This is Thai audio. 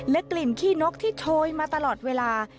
กลิ่นขี้นกที่โชยมาตลอดเวลา